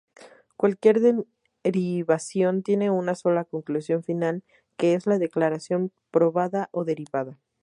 Cualquier derivación tiene una sola conclusión final, que es la declaración probada o derivada.